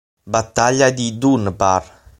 Battaglia di Dunbar